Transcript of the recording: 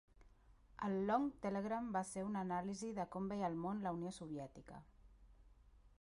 El "Long Telegram" va ser una anàlisi de com veia el món la Unió Soviètica.